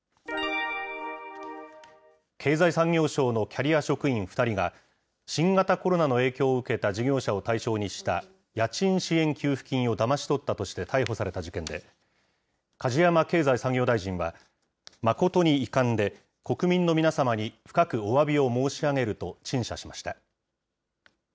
経済産業省のキャリア職員２人が、新型コロナの影響を受けた事業者を対象にした家賃支援給付金をだまし取ったとして逮捕された事件で、梶山経済産業大臣は、誠に遺憾で、国民の皆様に深くおわびを申し上げると、陳謝しました。